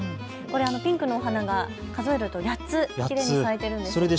ピンクのお花が数えると８つ、きれいに咲いているんですね。